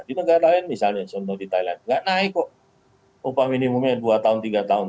di negara lain misalnya contoh di thailand nggak naik kok upah minimumnya dua tahun tiga tahun